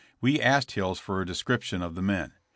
We asked Hills for a description of the men.